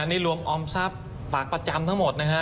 นี่รวมออมทรัพย์ฝากประจำทั้งหมดนะฮะ